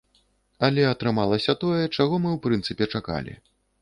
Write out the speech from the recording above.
Але атрымалася тое, чаго мы, у прынцыпе, чакалі.